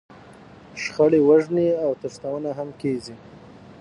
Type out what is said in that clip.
شخړې، وژنې او تښتونه هم کېږي.